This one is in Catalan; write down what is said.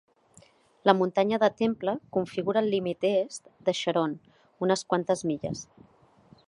La muntanya de Temple configura el límit est de Sharon unes quantes milles.